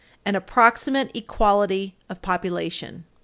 551 and approximate equality of population.